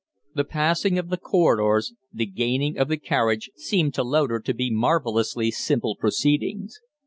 The passing of the corridors, the gaining of the carriage, seemed to Loder to be marvellously simple proceedings.